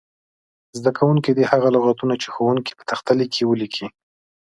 زده کوونکي دې هغه لغتونه چې ښوونکی په تخته لیکي ولیکي.